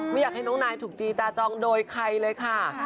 ไม่อยากให้น้องนายถูกจีจาจองโดยใครเลยค่ะ